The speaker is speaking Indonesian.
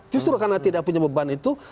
justru karena tidak punya beban itu